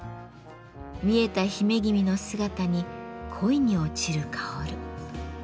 見えた姫君の姿に恋に落ちる薫。